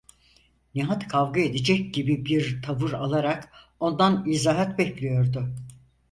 Nihat kavga edecek gibi bir tavır alarak ondan izahat bekliyordu.